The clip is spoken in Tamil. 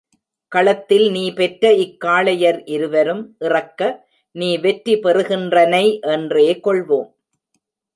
களத்தில் நீ பெற்ற இக் காளையர் இருவரும் இறக்க, நீ வெற்றி பெறுகின்றனை என்றே கொள்வோம்.